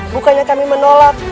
bukannya kami menolak